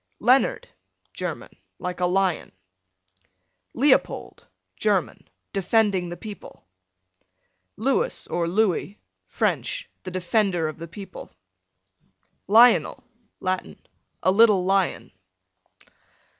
Leonard, German, like a lion. Leopold, German, defending the people. Lewis or Louis, French, the defender of the people. Lionel, Latin, a little lion.